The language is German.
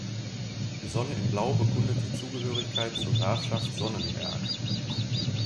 Die Sonne in Blau bekundet die Zugehörigkeit zur Grafschaft Sonnenberg.